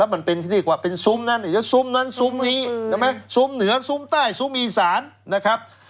มันเป็นที่นี่กว่าเป็นซุมนั้นซุมนั้นซุมนี้ซุมเหนือซุมใต้ซุมอีสานนะครับ